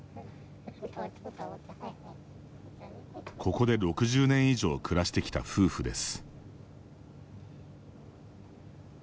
ここで６０年以上暮らしてきた夫婦です。